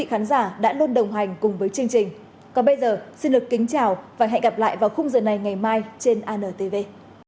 hãy đăng ký kênh để ủng hộ kênh mình nhé